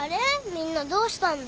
みんなどうしたんだ？